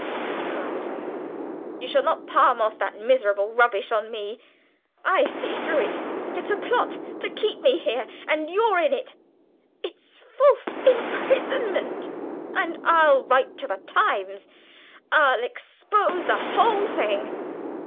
he cried "you shall not palm off that miserable rubbish on me. I see through it. It's a plot to keep me here, and you're in it. It's false imprisonment, and I'll write to the Times. I'll expose the whole thing!"